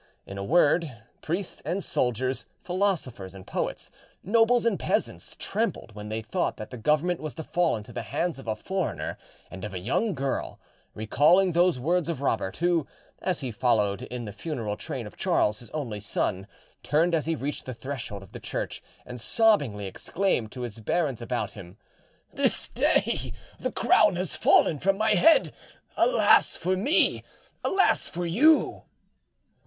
In a word, priests and soldiers, philosophers and poets, nobles and peasants, trembled when they thought that the government was to fall into the hands of a foreigner and of a young girl, recalling those words of Robert, who, as he followed in the funeral train of Charles, his only son, turned as he reached the threshold of the church and sobbingly exclaimed to his barons about him, "This day the crown has fallen from my head: alas for me! alas for you!"